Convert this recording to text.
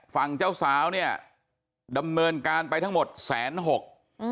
ฝั่งเจ้าสาวเนี่ยดำเนินการไปทั้งหมดแสนหก